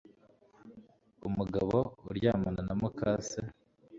umugabo uryamana na muka se